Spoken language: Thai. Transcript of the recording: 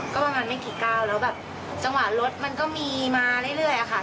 ก็ประมาณไม่กี่ก้าวแล้วแบบจังหวะรถมันก็มีมาเรื่อยอะค่ะ